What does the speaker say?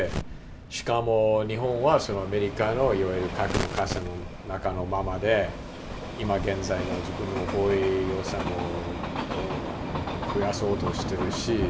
しかも日本はアメリカのいわゆる核の傘の中のままで今現在の防衛予算も増やそうとしているし。